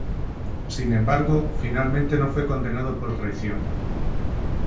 Sin embargo, finalmente no fue condenado por traición.